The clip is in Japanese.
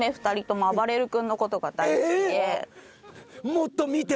もっと見て！